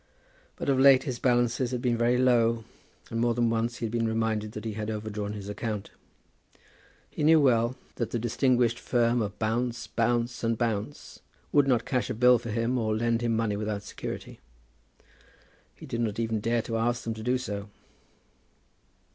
But of late his balances had been very low, and more than once he had been reminded that he had overdrawn his account. He knew well that the distinguished firm of Bounce, Bounce, and Bounce would not cash a bill for him or lend him money without security. He did not even dare to ask them to do so.